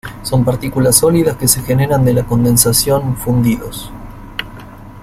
Son partículas sólidas que se generan de la condensación fundidos.